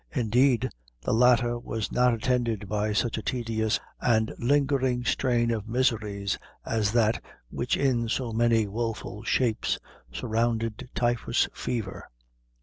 Indeed, the latter was not attended by such a tedious and lingering train of miseries as that, which in so many woful shapes, surrounded typhus fever.